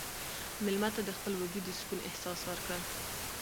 مېلمه ته د خپل وجود د سکون احساس ورکړه.